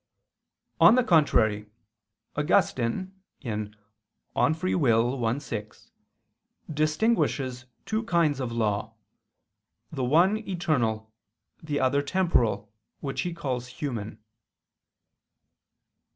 On the contrary, Augustine (De Lib. Arb. i, 6) distinguishes two kinds of law, the one eternal, the other temporal, which he calls human.